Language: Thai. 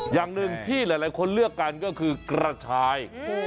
อย่างหนึ่งที่หลายคนเลือกกันก็คือกระชาย